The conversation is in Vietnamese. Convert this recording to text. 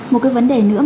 một cái vấn đề nữa